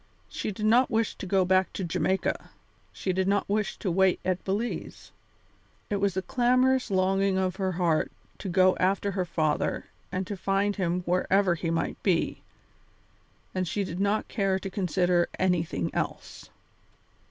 She did not wish to go back to Jamaica; she did not wish to wait at Belize. It was the clamorous longing of her heart to go after her father and to find him wherever he might be, and she did not care to consider anything else.